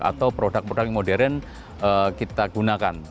atau produk produk modern kita gunakan